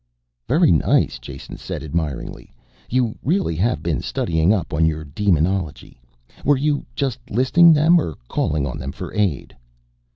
"Very nice," Jason said admiringly, "you really have been studying up on your demonology. Were you just listing them or calling on them for aid?"